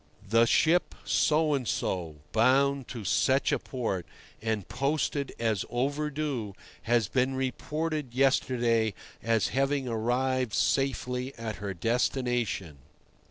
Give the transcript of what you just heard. "The ship So and so, bound to such a port, and posted as 'overdue,' has been reported yesterday as having arrived safely at her destination."